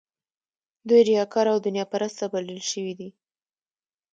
دوی ریاکار او دنیا پرسته بلل شوي دي.